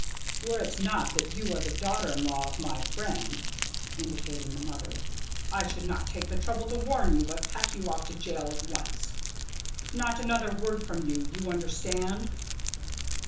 Were it not that you are the daughter in law of my old friend [Indicating the Mother], I should not take the trouble to warn you, but pack you off to jail at once. Not another word from you, you understand?